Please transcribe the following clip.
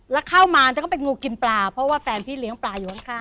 แล้วเข้ามาแต่ก็เป็นงูกินปลาเพราะว่าแฟนพี่เลี้ยงปลาอยู่ข้าง